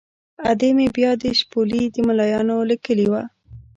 ادې مې بیا د شپولې د ملایانو له کلي وه.